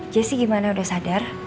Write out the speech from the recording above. jesse gimana udah sadar